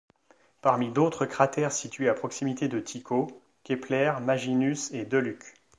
Parmi d'autres cratères situés à proximité de Tycho, Kepler, Maginus et Deluc.